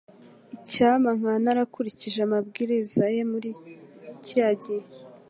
Icyampa nkaba narakurikije amabwiriza ye muri kiriya gihe.